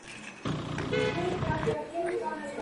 El rondó final se asemeja a una mazurca.